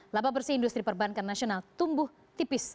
laba bersih industri perbankan nasional tumbuh tipis